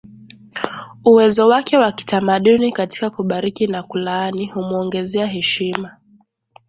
uwezo wake wa kitamaduni katika kubariki na kulaani humuongezea heshima